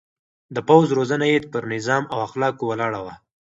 د پوځ روزنه يې پر نظم او اخلاقو ولاړه وه.